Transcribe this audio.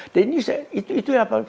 dan itu apa